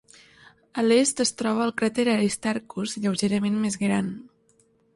A l'est es troba el cràter Aristarchus lleugerament més gran.